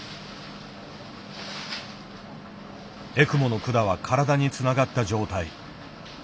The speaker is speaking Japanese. エクモの管は体につながった状態。